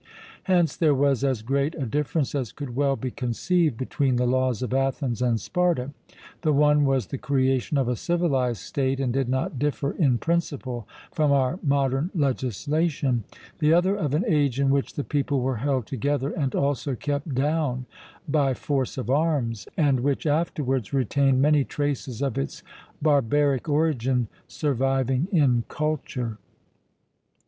Hence there was as great a difference as could well be conceived between the Laws of Athens and Sparta: the one was the creation of a civilized state, and did not differ in principle from our modern legislation, the other of an age in which the people were held together and also kept down by force of arms, and which afterwards retained many traces of its barbaric origin 'surviving in culture.'